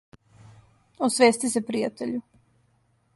Освести се пријатељу.